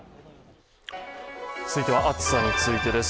続いては暑さについてです。